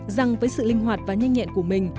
rằng với sự linh hoạt và nhanh nhẹn của mình